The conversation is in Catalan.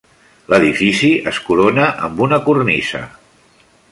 L'edifici es corona amb una cornisa.